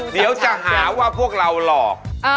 เดี๋ยวจะหาว่าพวกเราหลอก